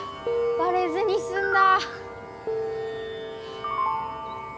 バレずにすんだ。